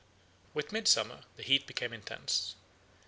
"With midsummer the heat became intense.